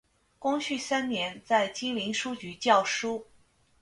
光绪三年在金陵书局校书。